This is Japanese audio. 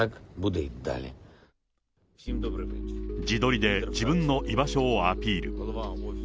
自撮りで自分の居場所をアピール。